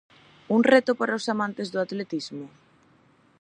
Un reto para os amantes do atletismo?